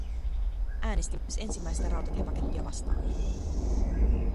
Äänestin myös ensimmäistä rautatiepakettia vastaan.